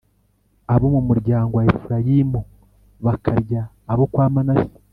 abo mu muryango wa Efurayimu bakarya abo kwa Manase,